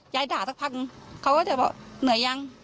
ด่าสักพักนึงเขาก็จะบอกเหนื่อยยัง